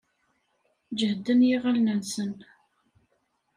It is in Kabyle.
Jehden yiɣallen-nnes.